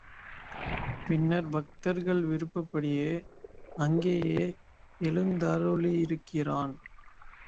பின்னர் பக்தர்கள் விருப்பப்படியே அங்கேயே எழுந்தருளியிருக்கிறான்.